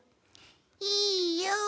いいよ